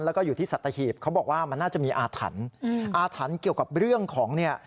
แล้วก็อยู่ที่สัตหีบเขาบอกว่ามันน่าจะมีอาถรรพ์อาถรรพ์เกี่ยวกับเรื่องของเนี่ย